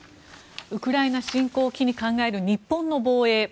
ウクライナ侵攻を機に考える日本の防衛。